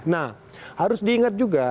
nah harus diingat juga